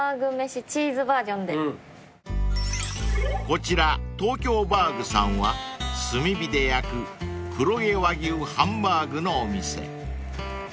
［こちら東京バーグさんは炭火で焼く黒毛和牛ハンバーグのお店］